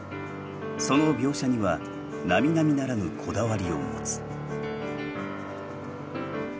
その描写にはなみなみならぬこだわりを持つ。